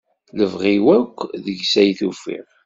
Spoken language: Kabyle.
Lebɣi-w akk deg-s ay tufiɣ.